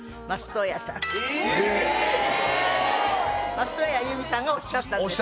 松任谷由実さんがおっしゃったんです。